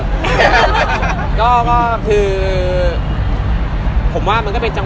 แต่เลื่อนแหละมีหละนะ